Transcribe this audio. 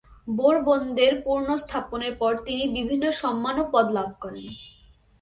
বোরবনদের পুনর্স্থাপনের পর তিনি বিভিন্ন সম্মান ও পদ লাভ করেন।